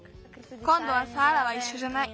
こんどはサーラはいっしょじゃない。